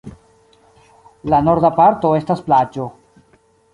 La norda parto estas plaĝo.